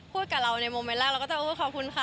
พูดกับเราในเมื่อแล้วเราก็จะพูดขอบคุณค่ะ